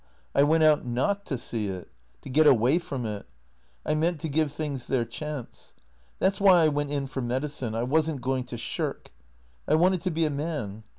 I went out not to see it. To get away from it. I meant to give things their chance. That 's why I went in for medicine. I was n't going to shirk. I wanted to be a man.